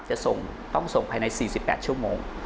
จะส่งต้องส่งภายใน๔๘ชั่วโมง